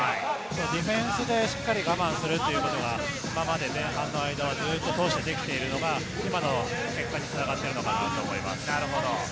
ディフェンスでしっかり我慢するということが今まで前半の間はずっと通してできているのが今の結果に繋がっているのかなと思います。